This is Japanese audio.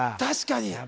確かに！